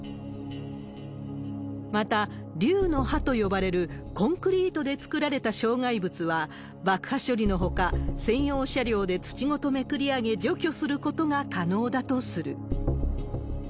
また、竜の歯と呼ばれるコンクリートで作られた障害物は、爆破処理のほか、専用車両で土ごとめくりあげ、除去することが可能だとする。